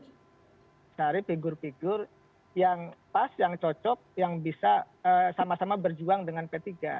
mencari figur figur yang pas yang cocok yang bisa sama sama berjuang dengan p tiga